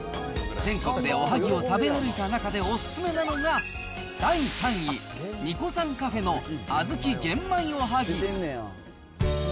全国でおはぎを食べ歩いた中で、お勧めなのが、第３位、ニコサンカフェのあずき玄米おはぎ。